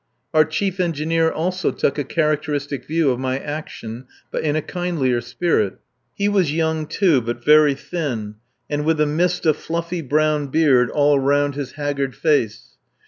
Our chief engineer also took a characteristic view of my action, but in a kindlier spirit. He was young, too, but very thin, and with a mist of fluffy brown beard all round his haggard face.